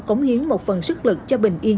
cống hiến một phần sức lực cho bình yên